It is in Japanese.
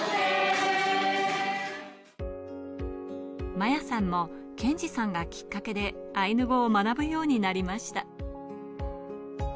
摩耶さんも健司さんがきっかけでアイヌ語を学ぶようになりました。